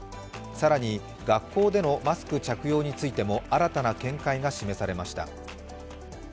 更に学校でのマスク着用についても新たな見解が示されました。